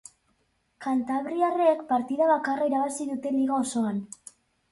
Kantabriarrek partida bakarra irabazi dute liga osoan.